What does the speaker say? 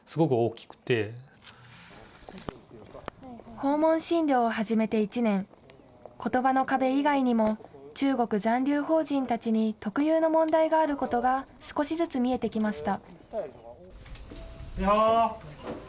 訪問診療を始めて１年、ことばの壁以外にも、中国残留邦人たちに特有の問題があることが少しずつ見えてきました。